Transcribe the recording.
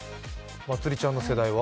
まつりちゃんの世代は？